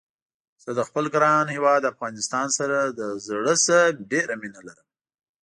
زه د خپل ګران هيواد افغانستان سره د زړه نه ډيره مينه لرم